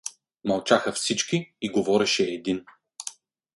Мълчаха всички и говореше един.